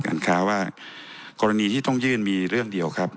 การค้าว่ากรณีที่ต้องยื่นมีเรื่องเดียวครับ